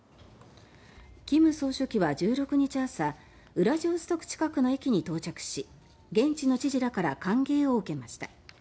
金総書記は１６日朝ウラジオストク近くの駅に到着し現地の知事らから歓迎を受けました。